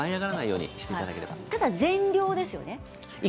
ただ全量ですよね。